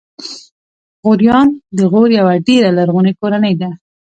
غوریان د غور یوه ډېره لرغونې کورنۍ ده.